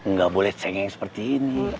nggak boleh cengeng seperti ini